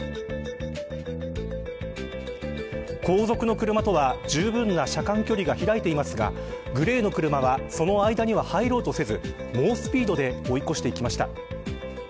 後続の車とはじゅうぶんな車間距離が開いていますがグレーの車はそこには入ろうとせず猛スピードで追い越していきました。